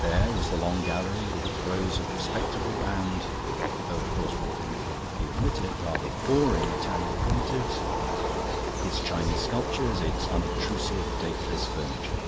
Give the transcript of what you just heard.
There was the long gallery, with its rows of respectable and (though, of course, one couldn't publicly admit it) rather boring Italian primitives, its Chinese sculptures, its unobtrusive, dateless furniture.